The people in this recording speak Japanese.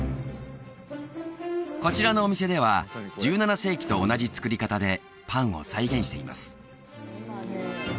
こちらのお店では１７世紀と同じ作り方でパンを再現しています